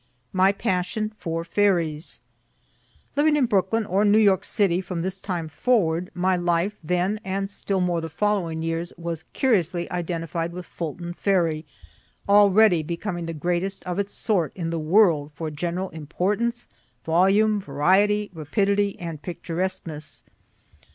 MY PASSION FOR FERRIES Living in Brooklyn or New York city from this time forward, my life, then, and still more the following years, was curiously identified with Fulton ferry, already becoming the greatest of its sort in the world for general importance, volume, variety, rapidity, and picturesqueness.